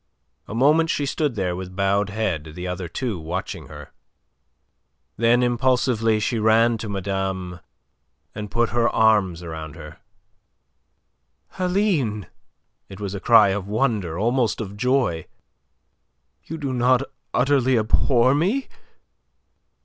A moment she stood there with bowed head, the other two watching her. Then impulsively she ran to madame and put her arms about her. "Aline!" It was a cry of wonder, almost of joy. "You do not utterly abhor me!"